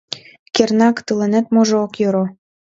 Кернак, тыланет можо ок йӧрӧ?